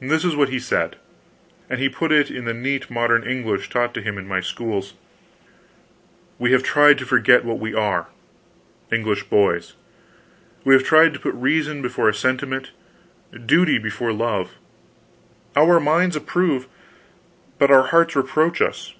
This is what he said and he put it in the neat modern English taught him in my schools: "We have tried to forget what we are English boys! We have tried to put reason before sentiment, duty before love; our minds approve, but our hearts reproach us.